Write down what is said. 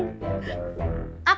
saya itu kebayang